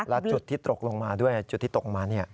และจุดที่ตกลงมาด้วยจุดที่ตกลงมา